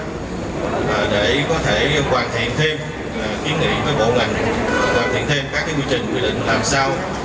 để có thể hoàn thiện thêm kiến nghị với bộ ngành thực hiện thêm các quy trình quy định làm sao